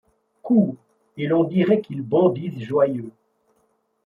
Courent, et l'on dirait qu'ils bondissent joyeux.